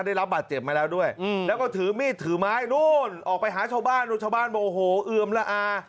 ได้รับบาดเจ็บมาแล้วด้วยแล้วก็ถือมีดถือไม้นู่นออกไปหาชาวบ้านชาวบ้านบอกโอ้โหเอือมละอา